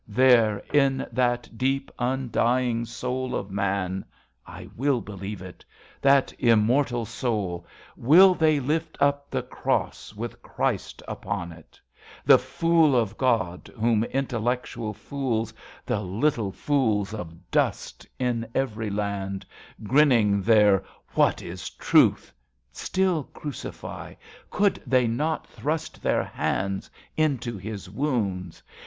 There, in that deep, undying soul of man (I still believe it), that immortal soul, 74 A BELGIAN CHRISTMAS EVE Will they lift up the cross with Christ upon it, The Fool of God, whom intellectual fools, The little fools of dust, in every land, Grinning their What is Truth ? still crucify. Could they not thrust their hands into His wounds?